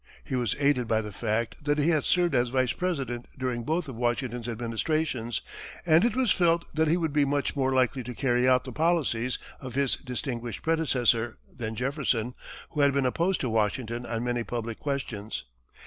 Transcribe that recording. He was aided by the fact that he had served as Vice President during both of Washington's administrations, and it was felt that he would be much more likely to carry out the policies of his distinguished predecessor than Jefferson, who had been opposed to Washington on many public questions.